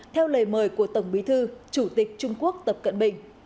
theo lời mời của tổng bí thư chủ tịch trung quốc tập cận bình